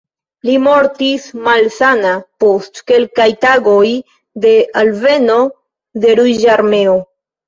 Li mortis malsana post kelkaj tagoj de alveno de Ruĝa Armeo.